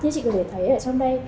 như chị có thể thấy ở trong đây